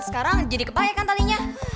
sekarang jadi kepahi kan talinya